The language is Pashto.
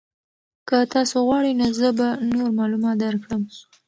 که تاسو غواړئ نو زه به نور معلومات درکړم.